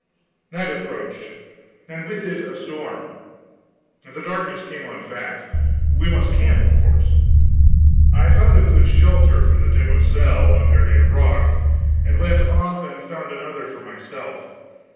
Night approached, and with it a storm. The darkness came on fast. We must camp, of course. I found a good shelter for the demoiselle under a rock, and went off and found another for myself.